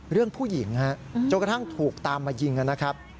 เรื่องผู้หญิงจนกระทั่งถูกตามมายิงนะครับ